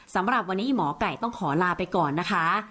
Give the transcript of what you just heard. สำหรับวันนี้หมอไก่ต้องขอลาไปก่อนนะคะ